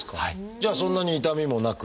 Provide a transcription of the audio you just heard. じゃあそんなに痛みもなく？